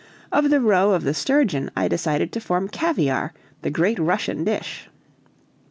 Of the roe of the sturgeon I decided to form caviare, the great Russian dish.